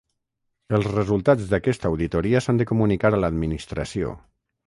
Els resultats d'aquesta auditoria s'han de comunicar a l'Administració.